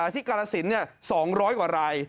กาลสิน๒๐๐กว่าราย